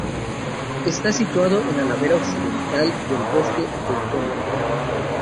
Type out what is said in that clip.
Está situado en la ladera occidental del bosque Teutónico.